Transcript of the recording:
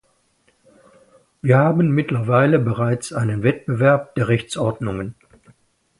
Wir haben mittlerweile bereits einen Wettbewerb der Rechtsordnungen.